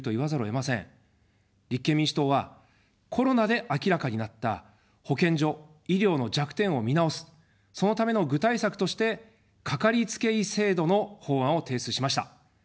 立憲民主党は、コロナで明らかになった保健所・医療の弱点を見直す、そのための具体策として、かかりつけ医制度の法案を提出しました。